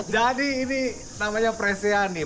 jadi ini namanya presian nih